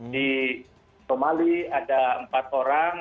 di somali ada empat orang